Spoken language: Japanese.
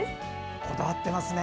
こだわってますね。